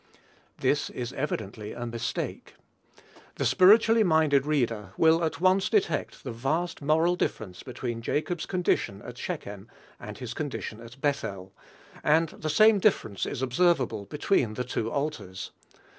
This is evidently a mistake. The spiritually minded reader will at once detect the vast moral difference between Jacob's condition at Shechem and his condition at Bethel; and the same difference is observable between the two altars.